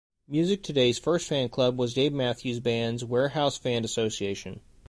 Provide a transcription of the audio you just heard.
Musictoday's first fan club was Dave Matthews Band's Warehouse Fan Association.